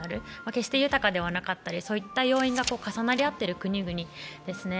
決して豊かではなかったり、そういった要因が重なり合ってる国々ですね。